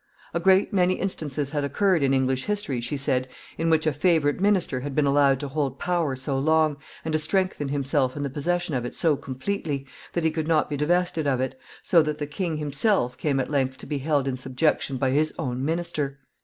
A great many instances had occurred in English history, she said, in which a favorite minister had been allowed to hold power so long, and to strengthen himself in the possession of it so completely, that he could not be divested of it, so that the king himself came at length to be held in subjection by his own minister.